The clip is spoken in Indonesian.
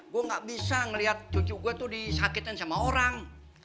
gue gak bisa ngeliat cucu gue tuh disakitin sama orang